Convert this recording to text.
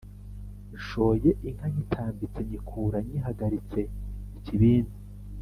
Nshoye inka nyitambitse nyikura nyihagaritse-Ikibindi.